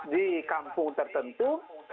di kampung tertentu